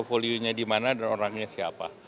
portfolio nya dimana dan orangnya siapa